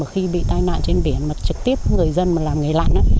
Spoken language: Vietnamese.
khi bị tai nạn trên biển mà trực tiếp người dân làm nghề lặn